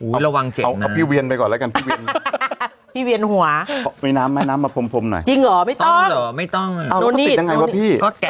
อุ๊ยระวังเจ็บพี่เวียนไปก่อนแล้วกันพี่เวียนหัวไปน้ำแม่น้ำมาพร่มไหนที่เวียนหัวไปน้ำมาพร่มหัวเป็นพอไม่ต้องมีเราไม่ต้องว่าพี่เป็นล่ะ